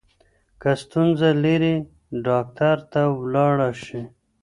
که ستونزه لرې ډاکټر ته ولاړ شه.